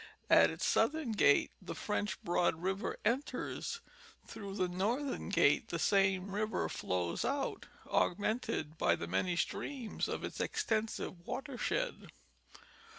At its southern gate the French Broad river enters ; through the northern gate the same river flows out, augmented by the many streams of its extensive watershed.